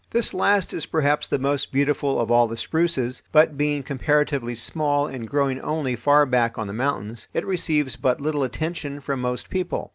This last is perhaps the most beautiful of all the spruces, but, being comparatively small and growing only far back on the mountains, it receives but little attention from most people.